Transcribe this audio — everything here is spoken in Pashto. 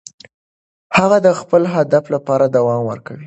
هغه د خپل هدف لپاره دوام ورکوي.